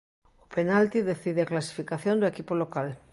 O penalti decide a clasificación do equipo local.